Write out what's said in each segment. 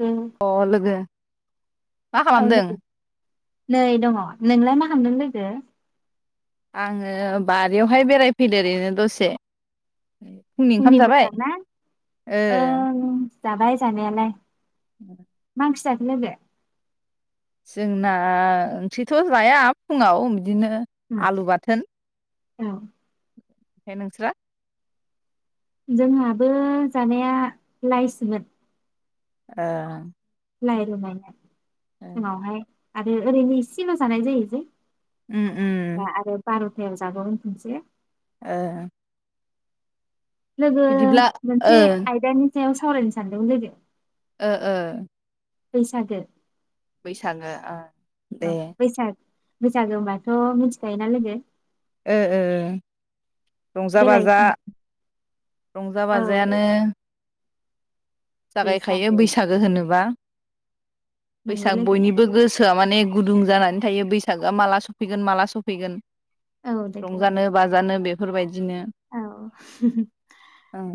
औ अ लोगो मा औ खालामदों? लोगो नै दङ नोंलाय मा खामदों लोगो? आङो बारियाव हाय बेराय फैदों ओरैनो दसे। फुंनि ओंखाम जाबाय मोजां ना ओ ओं जाबाय जानायालाय मा ओंख्रि जाख लोगो। जोंना ओंख्रिथ' जाया फुङाव बिदिनो उम आलु बाथोन। औ। ए नोंस्रा? जोंहाबो जानाया लाइसो मोन। ए। लाइ ल' लायना उनाव हाय आरो ओरैनो इसेल' जानाय जायो जे। उम उम। थायाव जाबावगोन खनसे। ओ। लोगो बिदिब्ला ओ मोनसे आयदानि सायाव सावरायनो सानदों लोगो। ओ ओ। बैसागो। बैसागो ओ औ दे। बैसाग बैसागो होमबाथ' मिथि खायोना लोगो? ओ ओ ओ रंजा देलाय बाजा रंजा औ बाजायानो जागाय खायो बैसागो बैसागो होनोबा नंगौ बैसाग लोगो बयनिबो गोसो आव माने गुदुं जानानै थायो बैसागो आ माला सफैगोन माला सफैगोन। औ लोगो औ रंजानो बाजानो बे फोरबाय दिनो औ ओं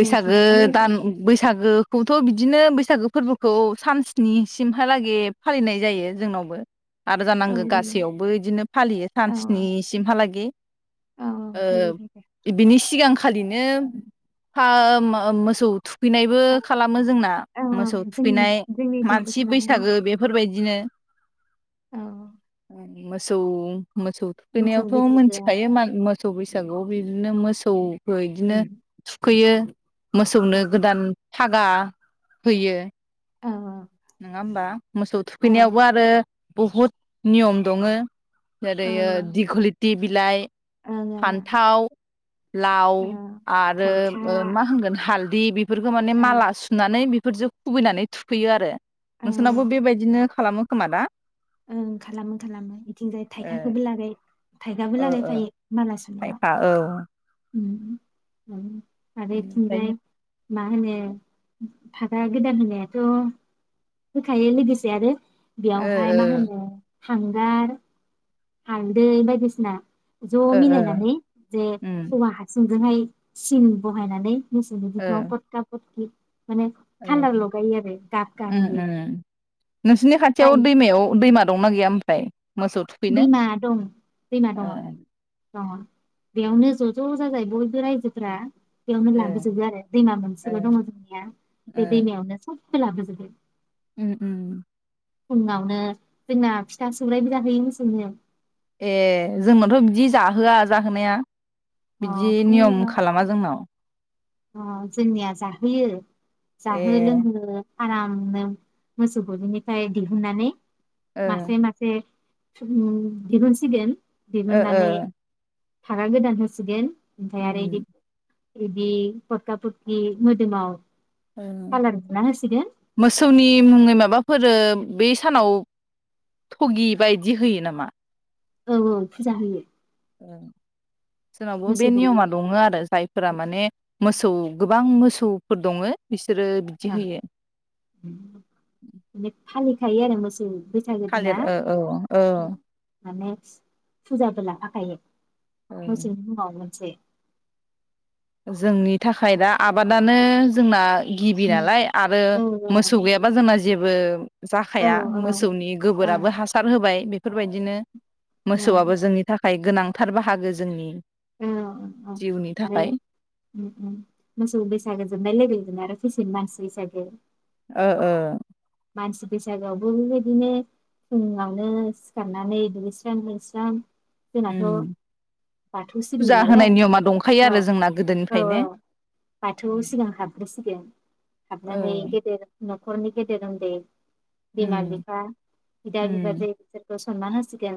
दे खिन्थालाय लायदो दान बैसागोखौथ' बिदिनो बैसागो फोरबोखौ सान स्निसिमहालागे फालिनाय जायो जोंनावबो। आरो औ जानांगो जागोन गासैयावबो इदिनो फालियो सान औ स्निसिमहालागै औ औ ओ फालियो लोगो इद बिनि सिगां खालिनो फा मा ओ मोसौ थुखैनायबो खालामो जोंना औ औ मोसौ जोंनि थुखैनाय जोंनिथिंबो मानसि खालामो लोगो बैसागो बेफोरबायदिनो औ मोसौ मोसौ मोसौ थुखैनायावथ' बैसागोआ मोनथिखायो मा मोसौ बैसा सागुआव बिदिनो मोसौ ओ इदिनो उम थुखैयो। मोसौनो औ उम थागा होयो। औ नङा होमबा मोसौ ओं थुखैनायावबो आरो बुहुत नियम दङो ओरैयो ओं दिगलिति बि लाइ ओं ओं फान्थाव लाव औ आरो थाइखा मा होनगोन हाल दि बिब बेफोरखौ माने औ माला सुनानै बि फोरजों खुबैनानै थुखैयो आरो औ नोंसोरनावो बेबायदिनो खालामो खोमा दा ओं खालामो खालामो बिथिंजाय ए थाइखाखौबो लागाय थाइगाबो ओ ओ लागायफायो माला सुनायाव थाइखा औ उम उम आरो बेनिफ्रायनो इथिंजाय मा होनो फागा गोदान होनायाथ' होखायो लोगोसे आरो ओ बेयावहाय मा होनो हांगार हालदै बायदिसिना ज' ओ ओ मिलायनानै जे उम औवा हासुं जोंहाय सिन बहायनानै। मोसौनि ओ बिखुङाव फटक्रा फटक्लि ओ गाब उम गाहोयो उम नोंसिनि खाथियाव जाय दैमायाव दैमा दंना गैया उ फ्राय दैमा दं दैमा ओ दङ दङ बेयावनो ज' ज' जाजाय बयबो रायजोफोरा बेयावनो ओ लाबोजोबो आरो दैमा ओ मोनसेल' दङ जोंनिया ओ बे दैमायावनो सब बो लाबोजोबो उम उम फुङावनो जोंना फिथा सौराइबो जाहैयो मोसौनो ए जोंनाथ' बिदि जाहोआ जाहोनाया अ बिदि नियम फुङाव खालामा जोंनाव अ जोंनिया जाहोयो ए जाहोनो लोंहोनो आरामनो मोसौ गलिनिफ्राय दिहुननानै ओ मासे मासे दिरुनसिगोन ओ ओ दिहुननानै फागा गोदान हो सिगोन ओमफाय उम आरो इदि बिदि पाखा फोरखौ मोदोमाव ओ कालार बुना होसिगोन मोसौनि मुङै माबाफोरो बै सानाव थगि बायदि होयो नामा मा औ औ फुजा होयो औ जनावबो बे मोसौ गलि नियमा दङ आरो जाय फोर माने मोसौ गोबां मोसौफोर दङो बिसोरो बिदि आ होयो थायो आरो मोसौ बैसागो दिना थालिर ओ औ नेक्स्ट फुजाबो लाखाखायो ओ मोसौ मावनोसै जोंनि थाखाय दा आबादानो जोंना गिबि उम नालाय आरो औ मोसौ गैयाबा जोंना जेबो औ जाखाया मोसौनि औ गोबोराबो हासार होबाय बे बेफोर बायदिनो औ मोसौआबो जोंनि थाखाय थाखाय गोनांथार बाहागो जोंनि औ औ जिउनि आरो थाखाय उम उम मोसौ बैसागु जोबनाय लोगो आरो मानसिनि बैसागो जागोन औ औ मानसि बैसागोआवबो बेबायदिनो फुङावनो सिखारनानै दुगैस्रां लोबस्रां जोंनाथ' उम बाथौ सिबियो फुजा नालाय होनाय नियमा दंखायो औ आरो जोंना औ गोदोनिफ्रायनो औ बाथौ सिगां हाबग्रोसिगोन ओ हाबनानै गेदेर नखरनि गेदेर उन्दै उम बिमा बिफा बिदा उम बिबाजै बिसोरखौ स सनमान होसिगोन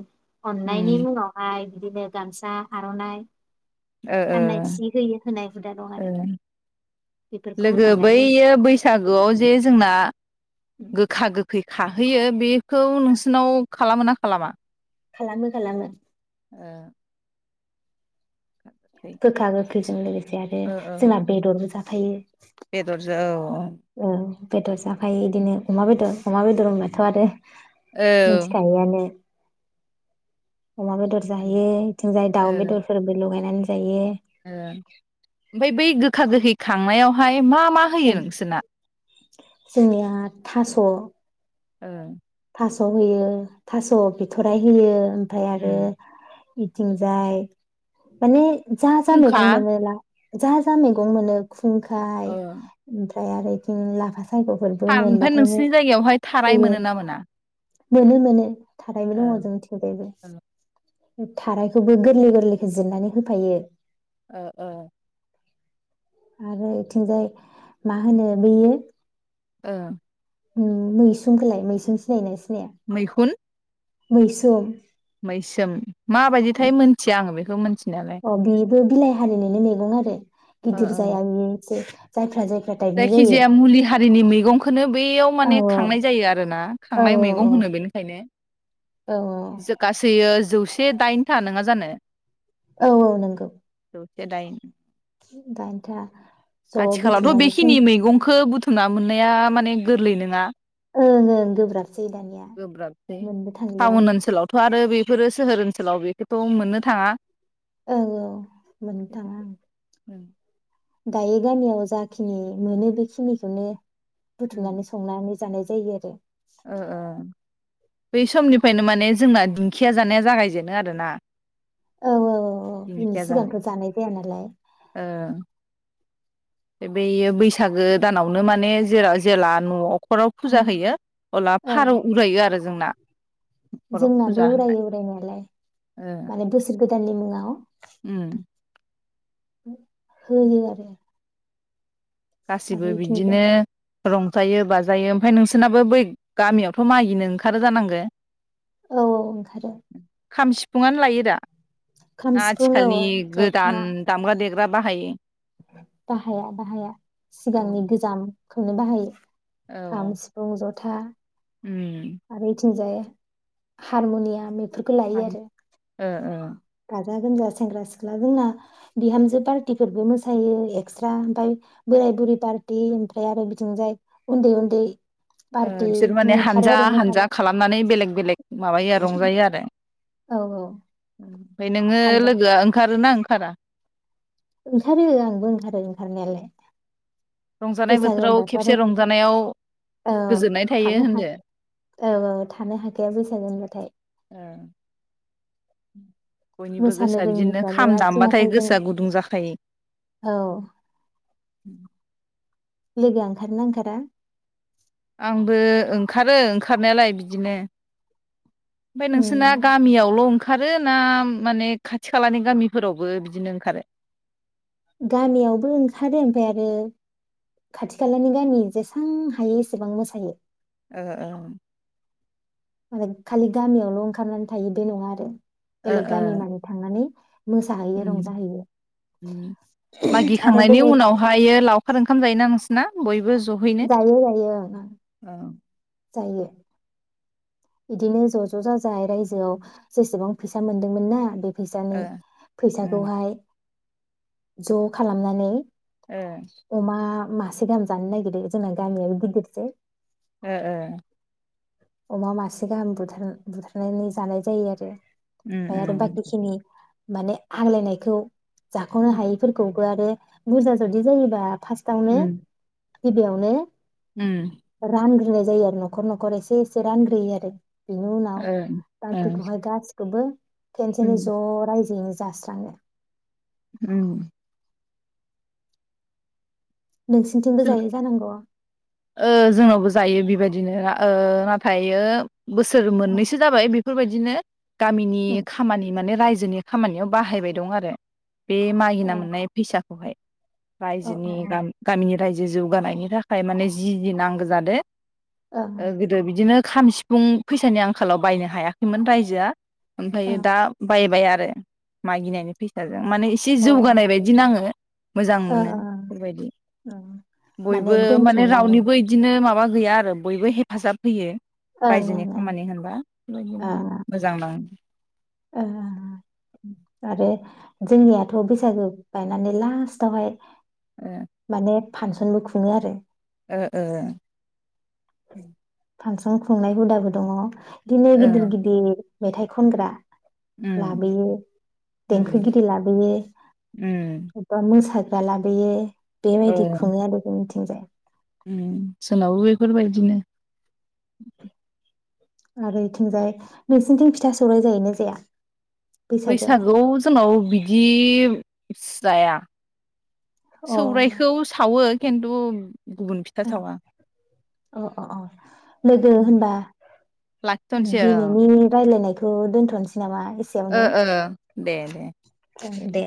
उम अननायनि मुंङावहाय बिदिनो गामसा आर'नाइ ओ ओ गाननाय सि होयो होनाय हुदा दं ओ आरो बेफोरखौ लोगो होखांनायनि उनाव बैयो बैसागोआव जे जोंना गोखा गोखै बि खाहैयो बि खौ नोंसिनाव खालामोना? खालामा खालामो खालामो ओ खै गोखा गोखैजों लोगोसे आरो ओ ओ जोंना बेदरबो जाबा थायो बेदरजों औ बेदर जाफायो बिदिनो अमा बेदर अमा बेदर होनबाथ'आरो मिनथि खायोआनो अमा बेदर ओ जाहोयो बिथिं जाय दाउ बेदरफोरबो लगायनानै जायो ओ ओमफ्राय बै गोखा गोखै खांनायावहाय मा मा होयो ओं नोंसोरना? जोंनिया थास' ओ थास' होयो थास' बिथ'राय होयो ओमफ्राय आरो उम बिथिंजाय माने जा जा खुंखा मेगं मोनोला जा जा मैगं मोनो खुंखाय ओम ओमफ्राय आरो बिदिनो लाफासाय था ओमफ्राय नोंसिनि जायगायावहाय थाराय होयो मोनो ना मोना? मोनो मोनो थारायबो ओ दंङ जोंनिथिंजायबो। थारायखौबो गोरलै गोरलैखो जिरनानै होफायो। ओ ओ। आरो इथिंजाय मा होनो बेयो ओ। उम मैसुंखोलाय मैसुं सिनायो ना सिनाया? मैखुन? मैसुम। मैसोम माबायदिथाय मोन्थिया आङो बे खौ मोन अ बिबो बिलाइ हारिनिनो मेगं आरो। ओ गिदिर ओ जाया बेनोसै। जायफ्रा जे जायखिजाया मुलि हारिनि मैगंखोनो बैयाव औ माने खांनाय जायो आरोना औ खांनाय मैगं होनो बेनिखायनो। औ जो गासैयो जौ से दाइनथा नोङा जानो? औ औ नोंगौ। जौसे दाइन। दाइनथा। आथिखालावथ' बेखिनि मैगंखो बुथु मना मोननाया माने गोरलै नोङा। ओं ओं गोब्राबसै दानिया गोब्राबसै मोनबो थांलिया ओं। टाउन ओनसोलावथ' आरो बेफोरो सोहोर ओनसोलाव बेखौथ' मोननो थाङा। औ औ मोननो थाङा उम। उम। गायो गामियाव जाखिनि मोनो बेखिनिखौनो बुथुमनानै संनानै जानाय जायो आरो। ओ ओ बै समनिफ्रायनो माने जोंना दिंखिया जानाया जागायजेनो आरोना औ औ औ अ बिनि सिगांथ जानाय जाया नालाय बै बेयो बैसागो दानावनो माने जेराव जेला न' न'खराव उम फुजा होयो अब्ला औ फारौ उरायो आरो जोंना न'खराव फुजा जोंनाबो होनाय उरायो उरायनायालाय माने बोसोर गोदाननि मुङाव उम उम होयो आरो आरो गासिबो इथिंबो बिदिनो रंजायो बाजायो ओमफाय नोंसोरनाबो बै गामियावथ' मागिनो ओंखारो जानांगो औ औ ओंखारो। खाम सिफुंआनो लायो दा? खाम ना सिफुं औ आथिखालनि जथा गोदान दामग्रा देग्रा बा बाहायो बाहाया बाहाया औ सिगांनि गोजाम खौनो बाहायो औ खाम सिफुं जथ था उम आरो ओइथिंजाय हारमनियाम [unintelligible] ओ ओ गाजा गोमजा सेंग्रा सिख्ला जोंना बिहामजो पार्टिफोरबो मोसायो एक्सट्रा ओमफाय बोराय बुरि पार्टि ओमफ्राय आरो बिथिंजाय उन्दै उन्दै ओ पार्टि बिसोर माने ओंखारो हानजा आरो हानजा मोसानो खालामनानै बेलेग बेलेग माबायो रंजायो आरो औ औ ओमफाय नोङो हानजा लोगोआ ओंखारोना ओंख खारा ओंखारो आंबो ओंखारो ओंखारनायालाय रंजानाय बैसागो बोथोराव होनबाथ' आरो खेबसे रंजानायाव औ गोजोननाय थायो थानो हाख होनदो औ औ थानो हाखाया बैसागो होनबाथाय ओ बयनिबो मोसानो गोसोआ बिदिनो रोङिफ्राबो खाम आथिं दामबाथाय आखाइजों गोसोआ गुदुं जाखायो। [inaudible] औ लोगो ओंखारोना ओंखारा आंबो ओंखारो ओंखारनायालाय बिदिनो ओमफाय उम नोंसोना गामियावल' ओंखा ओंखारो ना माने खाथि खालानि गामिफोरावबो बिदिनो ओंखारो गामियावबो ओंखारो ओमफाय आरो खाथि खालानि गामि जेसेबां हायो एसेबां मोसायो ओ ओ माने खालि गामियावल' ओंखारनानै थायो बे नङा आरो ओ बेलेग गामि मानि थांनानै मोसाहैयो उम रंजाहैयो उम आरो मागिखांनायनि बेलेग उनावहायो लावखार ओंखाम जायो नोंस ना बयबोज जायो जायो ओं ओं जायो बिदिनो ज' ज' जाजाय रायजोआव जेसेबां फैसा मोनदोंमोन ना बे फैसानि ओ उम फैसाखौहाय ज' खालामनानै ओ अमा मा से गाहाम जानो नागिरो जोंना गामियाबो गिदिरसै ओ ओ अमा मासे गाहाम बुथार बुथारनानै जानाय जायो आरो उम [inaudible] आरो उम बाखिखिनि माने आग्लायनायखौ जाख'नो उम हायैफोरखौबो आरो बुरजा जुदि जायोबा फास्टआवनो उम गि बेयावनो उम रान [inaudible] जायो आरो न'खर न'खर इसेे इसे रानग्रोयो आरो बिनि उनाव ओ ओ बाखिखौहाय गा [inaudible] खेनसेनो उम ज' रायजोयैनो जास्राङो उम नोंसिनिथिंबो जायो [unintelligible] जानांगौ ओ जोंनावबो जायो बेबा [inaudible] बिदिनो ओ नाथायो बोसोर अ मोननैसो जाबाय बेफोरबायदिनो गामिनि खामानि माने राय [inaudible] नि खामानियाव बाहायबाय दं आरो बे मागिना मोननाय फैसा खौहाय अ रायजोनि गा गामिनि रायजो जौगानायनि थाखाय माने जि जि नांगौ जादो। अ ओ गोदो बिदिनो। खाम सिफुं फैसानि आंखालाव बायनो हायाखैमोन रायजोआ अ ओमफ्रायो ओं दा बायबाय आ आरो मागिनायनि फैसा माने एसे जौगानाय ओं बायदिनो आङो मोजां अ ओं मोनो बेफोरबायदि। ओं माने बयबो माने दोनथुमनानै रावनिबो इदिनो माबा गैया आरो बयबो हेफाजाब होयो। ओं ओं रायजोनि ओं खामानि होनबा बेबा [inaudible] मोजांनाङो। ओं ओं ओं आरो जोंनियाथ' बैसागो बायनानै लास्टावहाय। ओ माने फानसनबो खुङो आरो। ओ ओ फांसन खुंनाय हुदाबो दङ'। दिनो ओ गिदिर गिदिर। मेथाइ खनग्रा। उम लाबोयो उम देंखोगिरि लाबोयो उम एबा मोसा जालाबोयो बेबायदि खुङो आरो जोंनि जा [inaudible] सोलावो बेफोरबायदिनो आरोथिंजाय नोंसिनिथिं फिथा सौराय जायो ना जाया बैसागोआव बैसागो जोंनाव बिदि जाया अ सौरायखौ सावो खेन्थु गुबुन फिथा सावा अ अ अ लोगो होनबा लाखिथ'नसै ओ ओ दोनथ'नोसै नामा एसेयावनो ओ ओ दे दे उम दे